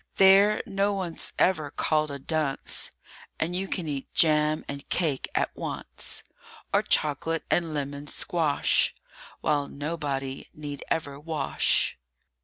THERE no one's ever called a dunce, And you eat jam and cake at once, Or chocolate and lemon squash, While nobody need ever wash.